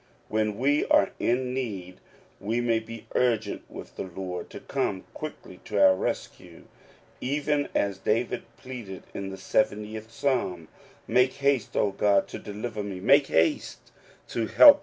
When we are in need, we may be urgent with the Lord to come quickly to our rescue, even as David pleaded in the seventieth Psalm, — "Make haste, O God, to deliver me ; make haste to help